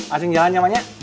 acing jalan maknya